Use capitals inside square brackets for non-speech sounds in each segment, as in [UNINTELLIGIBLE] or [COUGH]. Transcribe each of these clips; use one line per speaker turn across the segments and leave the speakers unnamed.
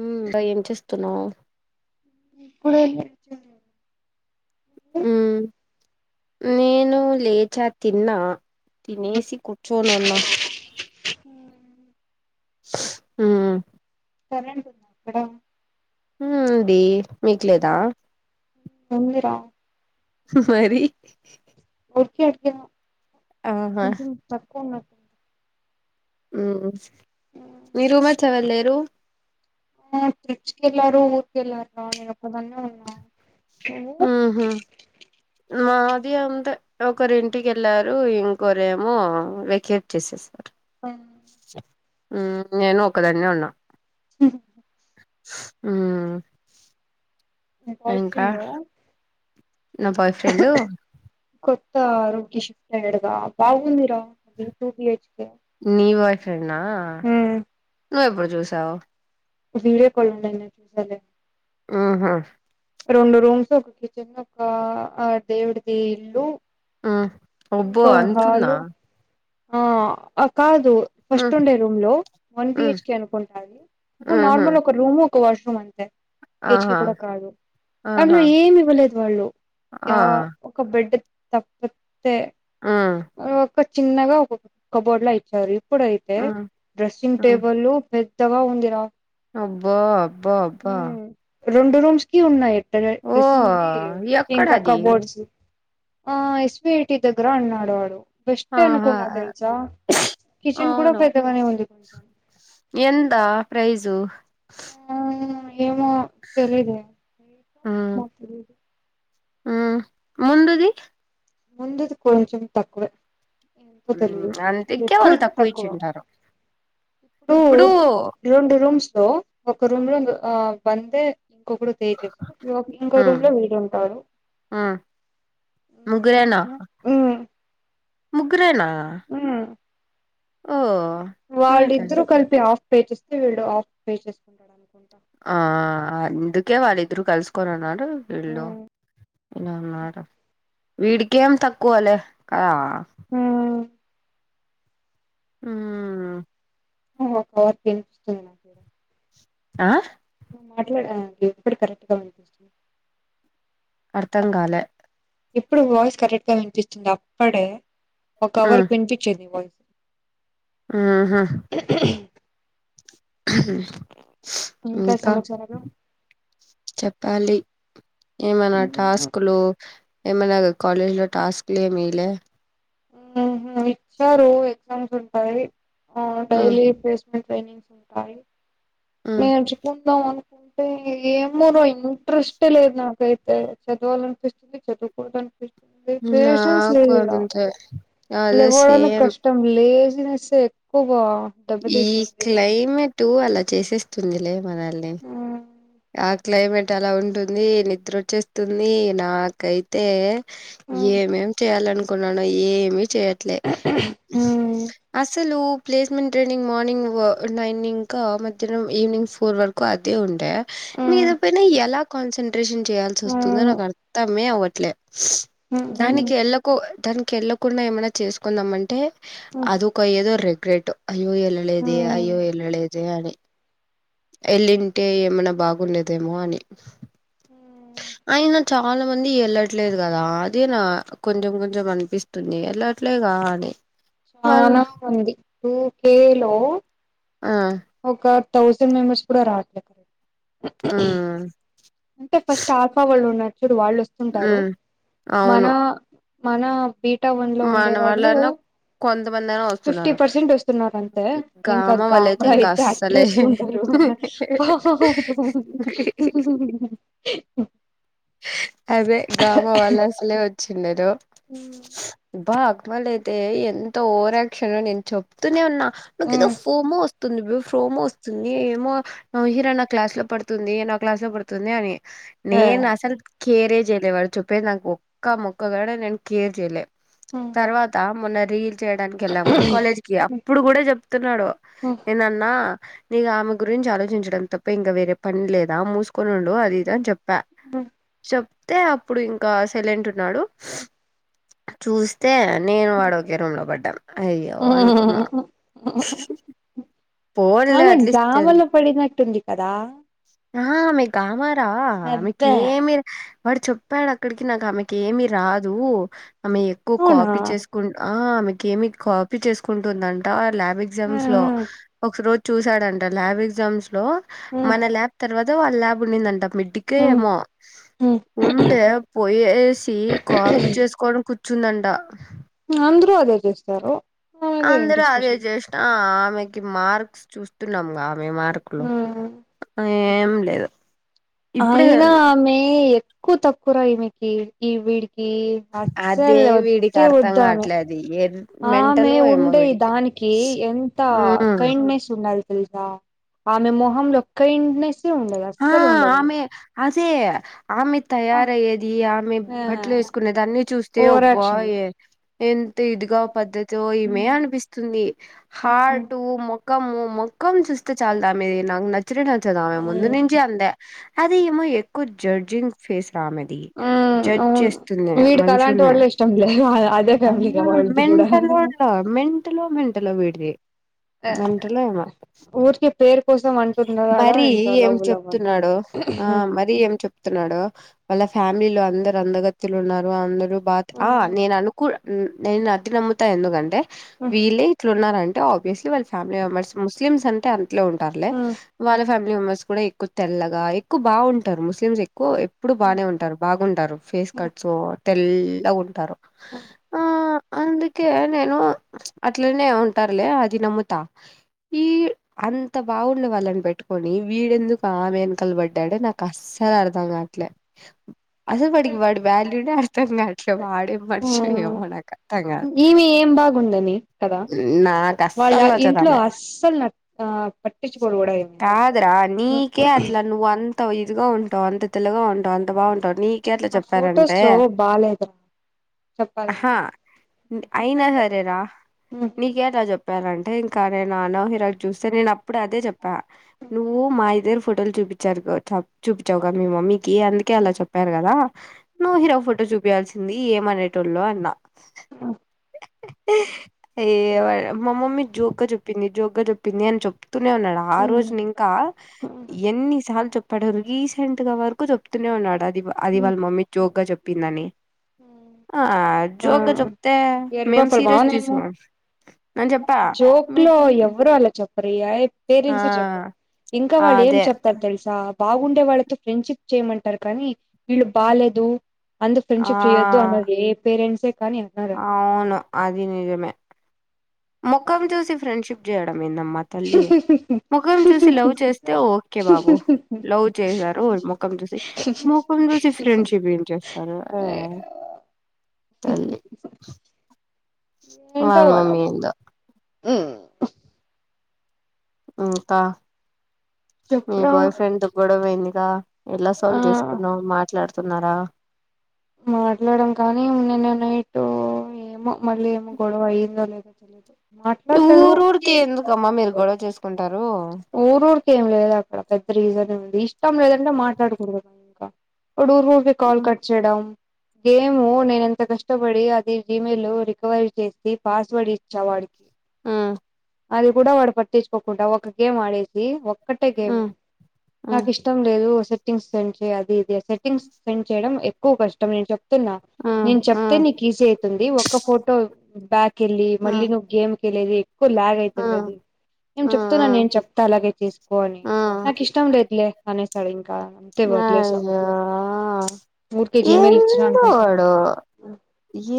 ఉమ్ అబ్బా ఏం చేస్తున్నావు
ఇప్పుడే
ఉమ్ నేను లేచా తిన్నా తినేసి కూర్చొనున్న
హ
అమ్
సరే అండి ఎక్కడ
ఉమ్ ది మీకు లేదా
ఉంది రా.
మరి.
ఒకే ఒక్క
ఆహా
కొంచం తక్కువ ఉన్నట్.
ఊ మీ రూమ్మేట్ ఎవర్ లేరు?
ఆ చర్చ్కెళ్ళారు, ఊర్కెళ్ళార్ రా, నేనొక్. క్క దాన్నే ఉన్నా, నువ్వు.
ది అంతే, ఒకరింటికెళ్ళారు ఇంకోరేమో వెకేట్ చేసేసార్.
ఆ
ఊ నేను ఒకదాన్నే ఉన్నా.
సరే
ఊ
మీ బాయ్ ఫ్రెండ్ ఆ
నా బాయ్ ఫ్రెండ్
కొత్త రూమ్కి షిఫ్ట్. టే ఈడ బా బాగుందిరా యైట్ టు పి హెచ్.
నీ బాయ్ ఫ్రెండా, నువ్వెప్పుడు చూసావ్.
వీడియో కాల్లుండంగ చూసాలే.
ఊహు
రెండు రూమ్స్, ఒక కిచెన్, ఒక ఆ దేవుడిది ఇల్లు.
ఆ అబ్బో
ఇంకో
ఆంతుందా.
హాలు ఆ కాదు, ఫస్ట్
ఉమ్
ఉండే రూమ్ లో వన్
ఉమ్
బిహెచ్క అనుకుంటా అది. ఇప్పుడు
ఆహా!
నార్మల్ ఒక రూమ్, ఒక వాష్రూమ్ అంతే బి హెచ్కి
ఆహా!
కూడా కాదు.
ఆహా!
దాంట్లో ఏమివ్వలేదు వాళ్ళు,
ఆ!
ఒక బెడ్ తప్పితే.
ఆ
ఆహ్, ఒక చిన్నగా ఒకక్క కబొడ్లు అయ్యి ఇచ్చారు. ఇప్పుడైతే
హ్మ్.
డ్రెస్సింగ్
హ్మ్.
టేబుల్లు పెద్. ద్దగా ఉంది రా.
అబ్బో అబ్బా అబ్బా.
రెండు రూమ్స్ కి ఉన్నాయి. డ్రే డ్రెస్సింగ్వి
ఓహ్!
ఇంకా
ఎక్కడది?
కబొడ్స్. ఆ ఎస్వి ఐటి దగ్గర అన్నాడు. ఆడు. బెస్ట్
ఆహా!
అనుకున్నా
ఆ!
తెలుసా. కిచెన్ కూడా పెద్దగానే ఉంది కొంచెం.
ఎంత ప్రైజు.
ఆ ఏమో తెలిదు ఏమో తెలీదు
హ ముందుది
ముందది కొంచం తక్కువే ఎందుకు
హ్మ్.
తెలిదు
అందుకే
ఎక్కువ
వాళ్ళు
తక్కువ
ఇచ్చింటారు.
ఇప్పుడు రెండు రూమ్స్ లో ఒక రూమ్ లో లో ఆ వందే ఇంకొకడు తేజస్సు ఇంకో
హ్మ్.
రూమ్ లో వీడు ఉంటాడు
హ్మ్. ముగ్గురేనా
మ్మ్
ముగ్గురేనా ఓ
వాళ్ళిద్దరు కలిపి ఆఫ్ పే చేస్తే వీడు ఆఫ్ పే చేసుకుంటాడు అనుకుంటా
ఆ అందుకే వాళ్ళిద్దరు కలుసుకొని ఉన్నారు వీళ్ళు ఇన్న వీడికికేం తక్కువాలే కదా
ఉమ్
ఉమ్మ్
[UNINTELLIGIBLE]
ఆ
నువ్వు మాట్లాడం ఇప్పుడు కరెక్ట్గా వినిపింస్తుంది
అర్థం కాలే
ఇప్పుడు వాయిస్ కరెక్ట్గా వినిపిస్తుంది అప్పుడే ఒక అవర్ వినిపించేంది వాయిస్
ఉహు ఇంకా చెప్పాలి ఏమనా టాస్కులు ఏమనాకు కాాలేజ్ లో టాస్క్లు మలే
ఇచ్చారు ఎగ్జామ్స్ ఉంటాయి
మ్మ్
డైలీ ట్రైనింగ్స్ ఉంటాయి
మ్మ్
నేర్చుకుందాం అనుకుంటే ఏమోరు ఇంట్రెస్ట్ లేదు నాకైతే చదవాలనిపిస్తుంది చదువుకోవడానికి పేషన్స్
నాకు
లేదుడా
అంతే అదే
లేవడానికి
సేమ్
కష్టం లేదు [UNINTELLIGIBLE] ఎక్కువ
ఈ క్లైమేట్ అలా చేసేస్తుందిలే మనల్ని
ఉ
ఆ క్లైమేట్ అలా ఉంటుంది నిద్ర వచ్చేస్తుంది నాకైతే
ఉ
ఏమేమి చేయాల అనుకున్నాను ఏమి చేయట్లే అసలు ప్లేస్మెంట్ ట్రైనింగ్ మార్నింగ్ నైన్ ఇంకా మధ్యాహ్ం ఈవనింగ్ ఫోర్ వరకు అదే ఉండే
ఉ
మీద పనా ఎలా కాన్సన్ంట్రేషన్ చేయయాల్సి
ఉ
వస్తుందో
ఉ
నాకు అర్థమే అవ్వట్లేదు దానికి ఎళ్ళలకు దానికి ఎళ్ళ కుడా ఏమైన్నా చేసుకుందామంటే అదికయ్యేదో రిగ్రెట్ అయ్యో ఎల్లేేద అయ్యో ఎల్లేేద అని ఎలింటే ఏ మన బాగుండదేమో అని
హ్మ్
అయినా చాలా మంది వెళ్లట్లేదు కదా అదే నా కొంచెం కొంచెం అనిపిస్తుంది వెల్లట్లేదు వాని
చాలా మంది కు కేలో
ఆ
ఒక థౌసండ్ మెంబర్స్ కూడా రావట్లే క
హా
అంటే ఫస్ట్ ఆఫా వాళ్ళు ఉన్న చూడు వాళ్ళు వస్తుంటారు
హ్మ్
మన
అవును
మన బీటా వన్ లో ఉండే
మన
వాళ్ళు
వాళ్ళన్నా కొంతమందైనా
ఫిఫ్టీ
వస్తున్నారు
పర్సెంట్ వస్తున్నారు అంతే ఇంకా
గామ
గ
వాళ్ళయితే ఇంక
అయితే
అస్సలే
అడ్రస్ంటారు హో హో హో
అదే గమ వాళ్ళ అసలే వచ్చిన్నారు అబ్బా అక్క వాళ్ళయితే ఎంత ఓరాక్షన్ నేను చెప్తూనే ఉన్నా నాకు
ఆ
ఏదో ఫోమో వస్తుంది బ్ర ఫోమో వస్తుంది ఏమో న హీరా నా క్లాస్ లో పడుతు ఇది నా క్లాస పడుతుంది అని నేను అసల్ కేరే జేలే వాడు చెప్పే నాకు ఒక్క మొక్కగా ఒక్క ముక్క కూడా నేను క్లియర్ చేయలే నేను
హ
తర్వాత మొన్న రీల్ చేయడానికి వెళ్ళాము కాలేజ్ కి అప్పుడు కూడా చెప్తున్నాడు నేనన్నా ఆ నీకు ఆమె గురించి ఆలోచించడం తప్ప ఇంకా వేరే పని లేదా మూసుకుని ఉండు అది ఇది అని చెప్పా
అబ్బో
చెప్తే అప్పుడు ఇంకా సైలెంట్ ఉన్నాడు
ఉ
చూస్తే నేను వాడు ఒకే రూమ్ లో పడ్డాం అయ్యో అనుకున్నా పోన్లే
అవునని
అట్లీస్ట్
కావాలని పడినటు ఉంది కదా
ఆ ఆమె కామారా ఆమెకు ఏమి వాడు చెప్పాడు అక్కడికి నాకు ఆమె కేమి రాదు ఆమె ఎక్కువ
అవునా
కాపీ చేసుకుంట ఆమె ఏమి కాపీ చేసుకుంటుందంట ఆ ల్యాబ్
ఆ ఆ
ఎగ్జామ్స్ లో ఒక రోజు చూసాడంట ల్యాబ్ ఎగ్జామ్స్ లో మన ల్యాబ్
ఆ
తర్వాత వాళ్ళ ల్యాబ్ ఉండిందంట మిడికే
ఆ
ఏమో ఉంటే పొయేసి కాఫీ చేసుకోవడం కూర్చుందంట
అందరూ అదే చేస్తారు అదే ఏంటి
అందరు అదే
స్పెషల్
చేసిన ఆమెకి మార్క్స్ చూస్తున్నాం కా ఏం మార్కులు ఏం లేదు ఇప్పుడే
అయినా ఆమె ఎక్కువ తక్కువరా ఈ మీకి ఈ వీడికి ఈ
అదే
అస్సలు
వీడికి
అద్దే
అర్థం
వద్దు ఆమె
కావట్లేదు ఏ
ఆమె
మెంటలో ఏమో
ఉండే
వీడికి
దానికి ఎంత
ఉమ్
కైండ్నెస్ ఉన్నది తెలుస ఆమె మొహం లో కైండ్నెస్ ఉండదు అస్సలు ఉండదు
అసేయ్ ఆమె
ఆ
తయారయ్యేది ఆమె బట్టలు వేసుకునే దాన్ని చూస్తే అబ్బా
ఓవరాక్షన్
ఎ ఎన్ ఎదుగొవ పద్ధతి ఈమె అనిపిస్తుంది
ఆ
హార్ట్ ముఖము మొక్కం చూస్తే చాలదామే నాకు నచ్చనే నచ్చదామే ముందు నుంచి అది ఏమో ఎక్కువ జడ్జింగ్ ఫే ఆమెది జడ్జ్
అవును
చేస్తుంది
వీడికి అలాంటి
మనుషుల్ని
వాళ్ళే ఇష్టం లేదు అదే ఫ్యామిలీ
హమ్మ
కా వాళ్ళది కూడా
మెంటల్ వాడు మెంటలో మెంటల్ వీడిది మెంటల్ ఏమో
ఊరికే పేరు కోసం అంటున్నాడా
మరి
ఏంటో
ఏం
లవ్
చెప్
లవ్ అని
తున్నాడు ఆ మరి ఏం చెప్తున్నాడు వాళ్ళ ఫ్యామిలీలో అంద అందగత్తెలు ఉన్నారు అందరు బా నేను అనుకు నేను అది నమ్ముతా ఎందుకంటే వీళ్ళే ఇట్లు ఉన్నారంటే ఆబ్వియస్లీ వాళ్ళ ఫ్యామిలీ మెంబర్స్ ముస్లిమ్స్ అంటే ఇంట్లో ఉంటరులే వాళ్ళ ఫ్యామిలీ మెంబర్స్ కూడా ఎక్కువ తెల్లగా ఎక్కువ బాగుంటారు ముస్లిమ్స్ ఎప్పుడు బానే ఉంటారు బాగుంటారు ఫేస్ కట్స్ తెల్ల ఉంటారు ఆ అందుకే నేను అట్లనే ఉంటారులే అది నమ్ముతా ఈ అంత బాగుండే వాళ్ళని పెట్టుకొని వీడెందుకు ఆమె వెనకల పడ్డాడు నాకు అస్సలు అర్థం కావట్లే అసలు వాడికి వాడి వాల్యూనే అర్థం కా వట్లే వాడే మనిషం ఏమో నాకు అర్థం కాదు
ఉందని కదా
నాకు
వాళ్ళ
అస్సలు నచ్చదు
ఇంట్లో
ఆమె
అస్సలు న ఆ పట్టించుకోరు కూడా ఏమంది
కాదురా నీకే అట్లా నువ్వు అంత ఇదిగా ఉంటావు అంత తెల్లగా ఉంటావు అంత బాగుంటావు నీ అందుకే అట్లా
ఆ
చెప్పారంటే
ఫొటోస్ లో బాలేదురా
హ
చెప్పాలంటే
అయినా సరేరా
ఉమ్
నీకేటా చెప్పారు అంటే ఇంకా నేను నాన్నో హీరో చూస్తే నేను అప్పుడు అదే చెప్పా నువ్వు మా ఇద్దరి ఫోటోలు చూపిచి చూపించావుగా మీ మమ్మీ కి అందుకే అలా చెప్పారు కదా నువ్వు హీరో ఫోటో చూపియాల్సింది ఏమనే టూలో అన్నా
ఉమ్
ఏ మా మమ్మీ జోక్ గా చొప్పింది జోగా చొప్పింది అంట చెప్తూనే ఉన్నాడు ఆ రోజు ఇంకా
ఉమ్
ఎన్ని సార్లు చెప్పడురిగిస్ ఇంతగా వరకు చెప్తూనే ఉన్నాడు అది అది వాళ్ళ మమ్మీ జోక్ గా చెప్పిందని
ఉమ్
ఆ
ఆ
జోక చెప్తే మేం
ఎరుపాపలు
సీరియస్ తీసు
వానేమో
అని చెప్పా
జోక్
మీ
లో ఎవరు అలా
ఆ
పేరెంట్స్ చెప్పారు ఇంకా వాళ్ళు ఏం
అదే
చెప్తారు తెలుసా బాగుండే వాళ్ళతో ఫ్రెండ్షిప్ చేయమంటారు కానీ వీళ్ళు బాలేదు అందు
ఆ
ఫ్రెండ్షిప్ చేయద్దు అన్నది పేరంట్స్
అవును అది నిజమే ముఖం చూసి ఫ్రెండ్షిప్ చేయడం ఏందమ్మా తల్లి ముఖం చూసి లవ్ చేస్తే ఓకే బాబు లవ్ చేసారు ముఖం చూసి ముఖం చూసి ఫ్రెండ్షిప్ ఏం చేస్తారు తల్లి వాళ్ళ మమ్మీ ఏందో
ఉ
ఇంకా మీ
చెప్పురా
బాయ్ ఫ్రెండ్ దుగ్గడ పోయిందిగా ఎలా
ఆ
సాల్వ్ చేసుకున్నావు మాట్లాడు కున్నారా
మాట్లాడం కానీ నను న ఇట్టు ఏమో మళ్ళీ ఏమో గొడవ అయ్యిందో లేదో తెలీదు మాట్లాడుతారు
ఊరు ఊరికే ఎందుకమ్మా మీరు గొడవ చేసుకుంటారు
ఊరు ఊరిక ఏం లేదు అక్కడ పెద్ద రీజన్ ఏ ఉంది ఇష్టం లేదంటే మాట్లాడుకుండ ఇంకా డుూఊరు ఊర్కి కాల్
ఉమ్
కట్ చేయడం గేము నేన ఎంత కష్టపడి అది జీమెయిల్ రికవరీ చేసి పాస్వర్డ్ ఇచ్చా వాడికి
ఉమ్
అది కూడా వాడు పట్టించుకోకుండా ఒక గేమ్ ఆడేసి ఒక క్కట్టే గేమే
ఉమ్ ఉమ్
నాకు ఇష్టం లేదు సెట్టింగ్స్ సెం అది ఇది సెట్టింగ్స్ సెండ్ చేయడం ఎక్కువ కష్టం నేను చెప్తున్నా
ఆ
నేను
ఆ
చెప్తే నీకు ఈజీ అయితుంది ఒక్క ఫోటో బ్యాక్ వెళ్ళి
ఆ
మళ్ళీ నువ్వు గేమ్ క వెళ్ళేది ఎక్కు లాగ
ఆ
అవుతుంది అది నేము
ఆ
చెప్తున్నాను నంటి చెప్తా అలాగే చేసుకోని నాకు ఇష్టం లేదులే అనే సడి
అ
మఊర్క కేజీ మేలిచ్చ అనుకుం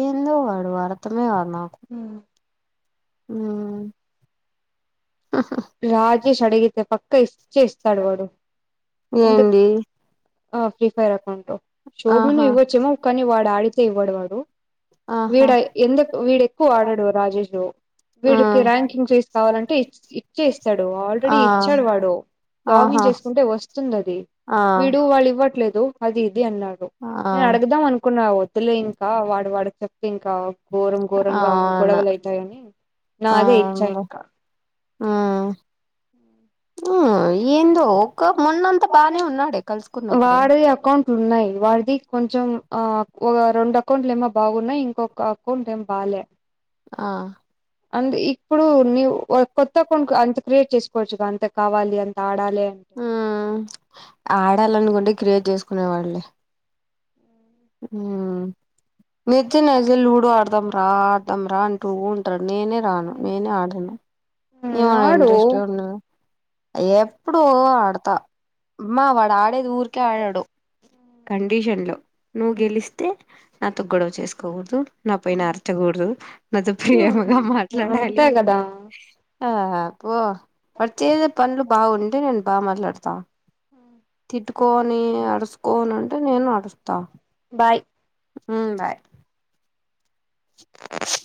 ఏందో వాడు అర్థమే కాదు నాకు ఆ
రాజేష్ అడగతే పక్క ఇచ్చే ఇస్తాడువాడు
ఏడి
ఆ ఫ్రీ ఫైర్ అకౌంట్ షోభూను ఇవ్వచ్చేమో కానీ వాడు ఆడితే ఇవ్వడు వాడు
ఆహా
వీడ ఎందుకు వీడెక్కువ ఆడాడు రాజేష్
ఆ
వీడికి ర్యాంకింగ్ చేసి కావాలంటే చేస్తాడు ఆల్రెడీ
ఆ
ఇచ్చాడు వాడు లాగిన్
ఆహా
చేసుకుంటే వస్తుంది అది
ఆ
వీడు వాళ్ళు ఇవ్వట్లేదు అది ఇది అన్నాడు
ఆ
నేను అడగదాం అనుకున్నా వద్దులే ఇంకా వాడు వాడు చెప్తే ఇంకా ఘోరం ఘోరంగా
అవును
గొడవలుైతాయని నా అదే ఇచ్చాయి ఇంకా
ఆ ఏందో ఒ మొన్నంత బానే ఉన్నాడే కలుసుకున్నప్పుడు
వాడిది అకౌంట్లు ఉన్నాయి వాడిది కొంచెం ఆ ఒక రెండు అకౌంట్లు ఏమో బాగున్నాయి ఇంకొక అకౌంట్ ఏమో బాగాలే
ఆ
అందు ఇప్పుడు నీ కొత్త కొం అంత క్రియేట్ చేసుకోవచ్చు అంత కావాలి అంత ఆడాలి అంటే
ఉ ఆడాలనుకుంటే క్రియేట్ చేసుకునే వాళ్ళే నిజం నజ లూడో ఆడదాం రా ఆడదాం రా అంటూంట నేనే రాను నేనే ఆడను
మ్మ్
ఏమనా
ఆడు
ఇంట్రెస్ట్ ఉండదు ఎప్పుడు ఆడతామ్మా వాడు ఆడేది ఊరికే ఆడాడు కండిషన్ లో నువ్వు గెలిస్తే నాతో గొడవ చేసుకోకూడదు నా పైన అార్చకూడదు నాతో
ఉమ్
ప్రియమగా మాట్లాడాలి
అంతే కదా
ఆ అ పో అడుచద పనులు బాగుంటే నేను బాగా మాట్లాడతాను తిట్టుకోని అడుసుకోని అంటే నేను అడుస్తా
బాయ్
ఉ బాయ్ ఆ